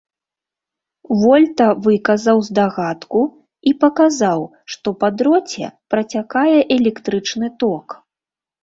Вольта выказаў здагадку і паказаў, што па дроце працякае электрычны ток.